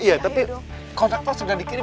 iya tapi kontrak tos sudah dikirim